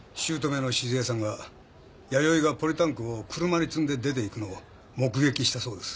姑の志寿江さんが弥生がポリタンクを車に積んで出て行くのを目撃したそうです。